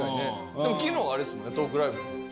昨日あれですもんねトークライブ。